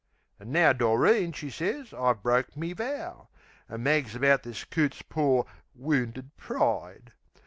An' now Doreen she sez I've broke me vow, An' mags about this coot's pore, "wounded pride."